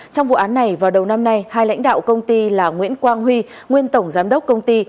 trong vụ án này vào đầu năm nay hai lãnh đạo công ty là nguyễn quang huy nguyên tổng giám đốc công ty